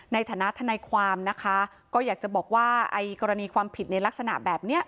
ในฐานะทนายความนะคะก็อยากจะบอกว่าไอ้กรณีความผิดในลักษณะแบบนี้